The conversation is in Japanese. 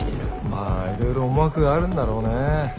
まあ色々思惑があるんだろうね。